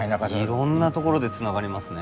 いろんなところでつながりますね。